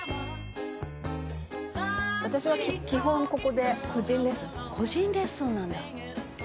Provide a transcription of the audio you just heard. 「私は基本ここで個人レッスン」「個人レッスンなんだ」